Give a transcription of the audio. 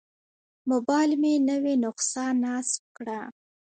موبایل مې نوې نسخه نصب کړه.